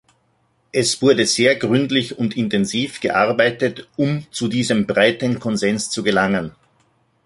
Es wurde sehr gründlich und intensiv gearbeitet, um zu diesem breiten Konsens zu gelangen.